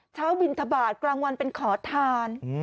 บินทบาทกลางวันเป็นขอทาน